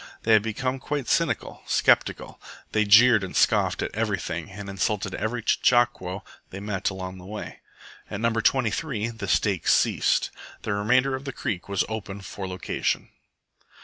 They had become quite cynical, sceptical. They jeered and scoffed at everything, and insulted every chechaquo they met along the way. At No. 23 the stakes ceased. The remainder of the creek was open for location.